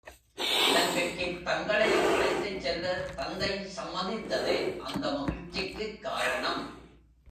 இலங்கைக்கு தங்களையும் அழைத்துச்செல்ல தந்தை சம்மதித்ததே அந்த மகிழ்ச்சிக்குக் காரணம்.